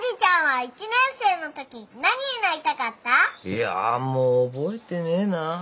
いやもう覚えてねえな。